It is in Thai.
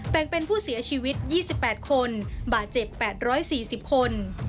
งเป็นผู้เสียชีวิต๒๘คนบาดเจ็บ๘๔๐คน